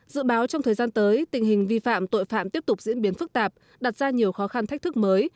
dự báo trong thời gian tới tình hình vi phạm tội phạm tiếp tục diễn biến phức tạp đặt ra nhiều khó khăn thách thức mới